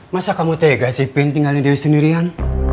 masa kamu tega sih fin tinggalin dewi sendirian